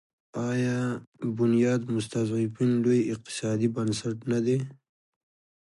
آیا بنیاد مستضعفین لوی اقتصادي بنسټ نه دی؟